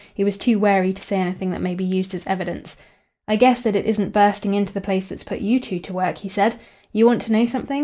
He was too wary to say anything that may be used as evidence. "I guess that it isn't bursting into the place that's put you two to work," he said. "You want to know something.